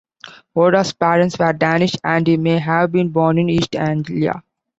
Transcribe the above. Oda's parents were Danish, and he may have been born in East Anglia.